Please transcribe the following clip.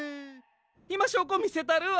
いましょうこみせたるわ！